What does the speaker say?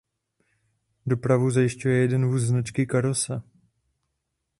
Dopravu zajišťuje jeden vůz značky Karosa.